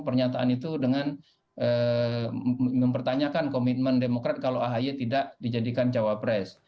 pernyataan itu dengan mempertanyakan komitmen demokrat kalau ahy tidak dijadikan cawapres